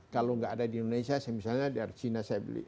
kalau nggak ada di indonesia saya misalnya dari cina saya beli